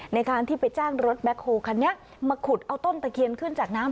ในการที่ไปจ้างรถแบ็คโฮลคันนี้มาขุดเอาต้นตะเคียนขึ้นจากน้ำ